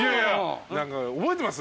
覚えてます？